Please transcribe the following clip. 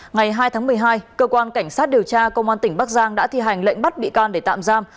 ngày hai tháng một mươi hai cơ quan cảnh sát điều tra công an tỉnh bắc giang đã thi hành lệnh bắt bị can để tạm giam